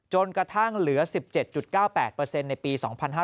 จนกระทั่งเหลือ๑๗๙๘ในปี๒๕๕๙